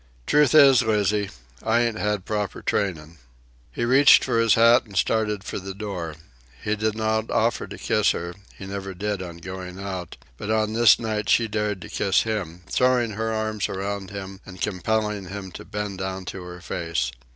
"Truth is, Lizzie, I ain't had proper trainin'." He reached for his hat and started for the door. He did not offer to kiss her he never did on going out but on this night she dared to kiss him, throwing her arms around him and compelling him to bend down to her face.